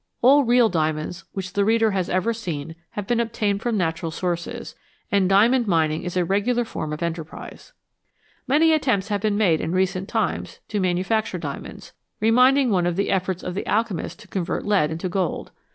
All real diamonds which the reader has ever seen have been obtained from natural sources ; and diamond mining is a regular form of enterprise. Many attempts have been made in recent times to manufacture diamonds, reminding one of the efforts of alchemists to convert lead into gold.